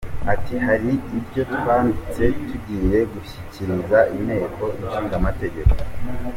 Ati “Hari ibyo twanditse tugiye gushyikiriza Inteko Ishinga Amategeko vuba.